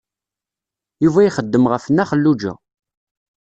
Yuba ixeddem ɣef Nna Xelluǧa.